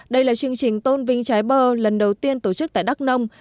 đây là chương trình tôn vinh trái bơ lần đầu tiên tổ chức tại đắk nông